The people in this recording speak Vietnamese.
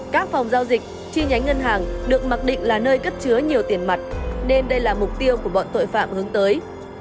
các phòng giao dịch chi nhánh ngân hàng được mặc định là nơi cất chứa nhiều tiền mặt nên đây là mục tiêu của bọn tội phạm hướng tới